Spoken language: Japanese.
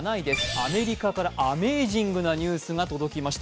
アメリカからアメージングなニュースが届きました。